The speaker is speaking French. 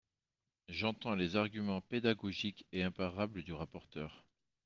J’entends les arguments pédagogiques et imparables du rapporteur.